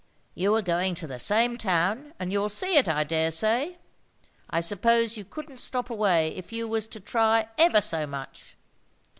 You are going to the same town, and you'll see it, I dare say. I suppose you couldn't stop away if you was to try ever so much."